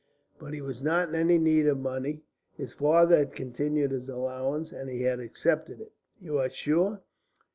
But he was not in any need of money. His father had continued his allowance, and he had accepted it." "You are sure?"